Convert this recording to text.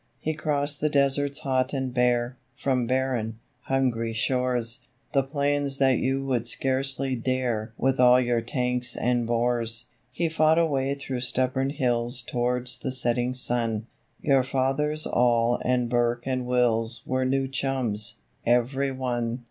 He crossed the deserts hot and bare, From barren, hungry shores The plains that you would scarcely dare With all your tanks and bores. He fought a way through stubborn hills Towards the setting sun Your fathers all and Burke and Wills Were New Chums, every one.